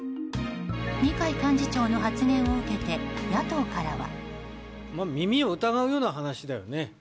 二階幹事長の発言を受けて野党からは。